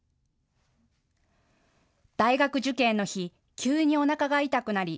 大学受験の日、急におなかが痛くなり